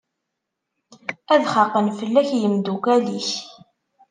Ad xaqen fell-ak yemdukal-ik.